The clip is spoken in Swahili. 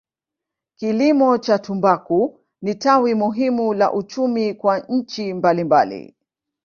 Kilimo cha tumbaku ni tawi muhimu la uchumi kwa nchi mbalimbali.